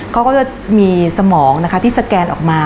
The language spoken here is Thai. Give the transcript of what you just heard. ก็มีสมองที่สแกนออกมา